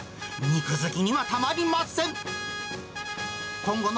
肉好きにはたまりません。